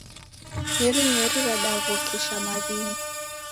Nyerinyeri radaghokesha mawingu.